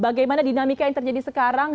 bagaimana dinamika yang terjadi sekarang